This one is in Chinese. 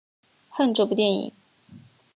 恨这部电影！